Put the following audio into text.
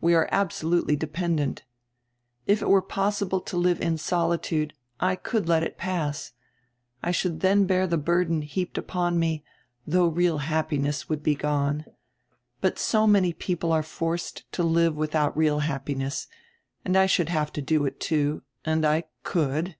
We are absolutely dependent. If it were possible to live in solitude I could let it pass. I should then bear the burden heaped upon me, though real happiness would be gone. But so many people are forced to live without real happiness, and I should have to do it too, and I could.